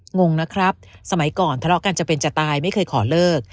งงนะครับสมัยก่อนทะเลาะกันจะเป็นจะตายไม่เคยขอเลิก